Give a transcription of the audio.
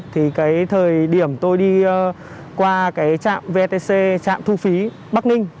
thì cái thời điểm tôi đi qua cái trạm vetc trạm thu phí bắc ninh